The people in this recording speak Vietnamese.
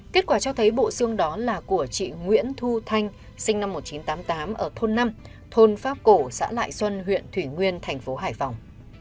kết quả cho thấy bộ xương đó là của chị nguyễn thu thanh sinh năm một nghìn chín trăm tám mươi tám ở thôn năm thôn pháp cổ xã lại xuân huyện thủy nguyên thành phố hải phòng